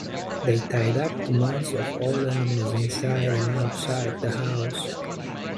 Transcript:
They tie up the mouths of all animals inside and outside the house.